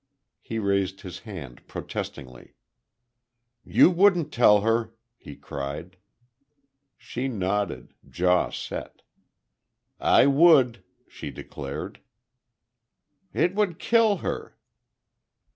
He raised his hand, protestingly. "You wouldn't tell her!" he cried. She nodded, jaw set. "I would," she declared. "It would kill her!"